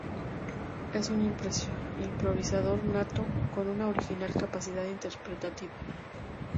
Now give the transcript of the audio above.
Es un improvisador nato con una original capacidad interpretativa.